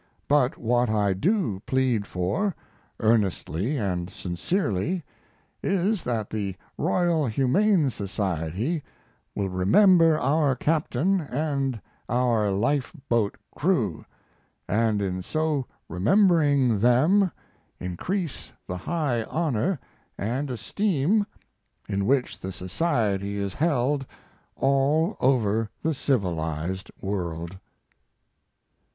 But what I do plead for, earnestly and sincerely, is that the Royal Humane Society will remember our captain and our life boat crew, and in so remembering them increase the high honor and esteem in which the society is held all over the civilized world.